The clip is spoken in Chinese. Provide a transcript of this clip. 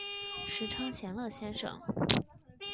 时称闲乐先生。